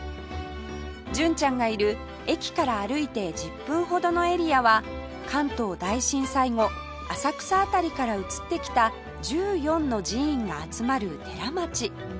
純ちゃんがいる駅から歩いて１０分ほどのエリアは関東大震災後浅草辺りから移ってきた１４の寺院が集まる寺町